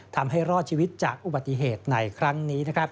ทำให้รอดชีวิตจากอุบัติเหตุในครั้งนี้